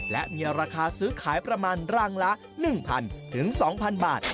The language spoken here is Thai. และมีราคาซื้อขายประมาณรังละ๑๐๐๒๐๐บาท